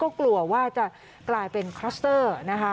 ก็กลัวว่าจะกลายเป็นคลัสเตอร์นะคะ